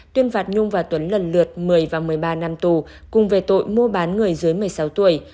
tuyên phạt nhung và tuấn lần lượt một mươi và một mươi ba năm tù cùng về tội mua bán người dưới một mươi sáu tuổi